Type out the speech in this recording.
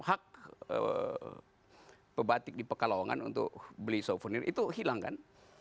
hak pebatik di pekalongan untuk beli souvenir itu hilang kan